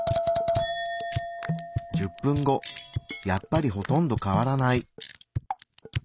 やっぱりほとんど変わらない。